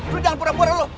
lu jangan pura pura lu